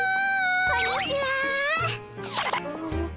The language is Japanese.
こんにちは。